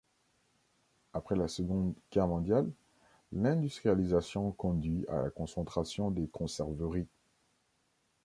Après la Seconde Guerre mondiale, l'industrialisation conduit à la concentration des conserveries.